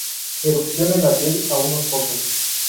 Erupción en la piel a unos pocos.